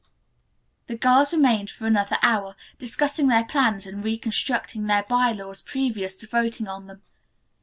The girls remained for another hour, discussing their plans and reconstructing their by laws previous to voting on them.